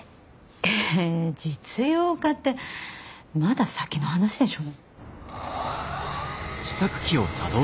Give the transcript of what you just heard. え実用化ってまだ先の話でしょ？